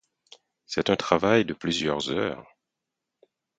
C’est un travail de plusieurs heures.